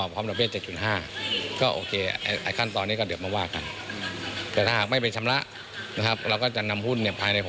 เป็นคดีจากขอนแก่น